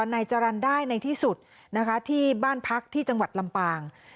นายจรรย์ได้ในที่สุดนะคะที่บ้านพักที่จังหวัดลำปาง